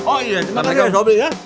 oh iya jangan lagi ya sobri ya